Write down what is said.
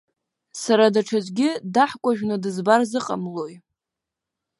Сара даҽаӡәгьы даҳкәажәны дызбар зыҟамлозеи?